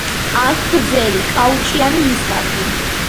აქვთ გრძელი, კაუჭიანი ნისკარტი.